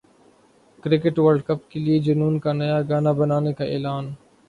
cricket world cup کے لیے جنون کا نیا گانا بنانے کا اعلان